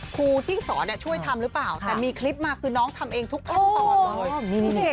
ครูที่สอนช่วยทำหรือเปล่าแต่มีคลิปมาคือน้องทำเองทุกขั้นตอนเลย